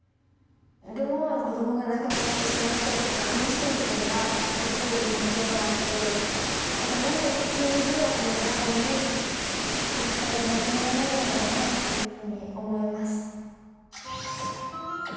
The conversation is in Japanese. でも子どもが亡くなってしまったりとか悲しい事件が起きている現状があってなんで権利条約まであるのに虐待がなくならないんだろうなっていうふうに思います。